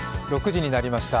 ６時になりました。